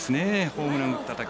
ホームランを打った打席。